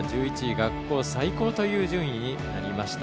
学校最高という順位になりました。